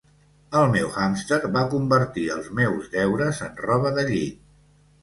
El meu hàmster va convertir els meus deures en roba de llit.